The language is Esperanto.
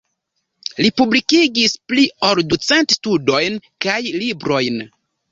Li publikigis pli ol ducent studojn kaj librojn.